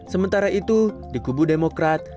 sementara itu di kubu demokrat